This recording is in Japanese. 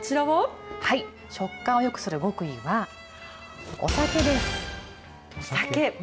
食感をよくする極意は、お酒お酒。